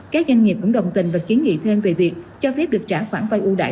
các doanh nghiệp cũng đồng tình và kiến nghị thêm về việc cho phép được trả khoản vay ưu đại